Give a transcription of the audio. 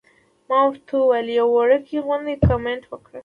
ما ورته يو وړوکے غوندې کمنټ وکړۀ -